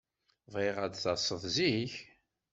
Bɣiɣ ad d-taseḍ zik.